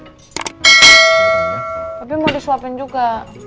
tapi mau disuapin juga